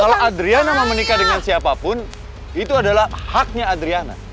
kalau adrian memang menikah dengan siapapun itu adalah haknya adriana